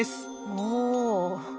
おお。